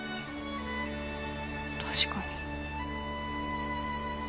確かに。